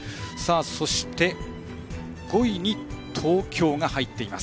そして５位に東京が入っています。